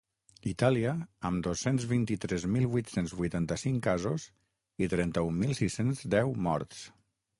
Itàlia, amb dos-cents vint-i-tres mil vuit-cents vuitanta-cinc casos i trenta-un mil sis-cents deu morts.